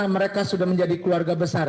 mereka sudah menjadi keluarga besar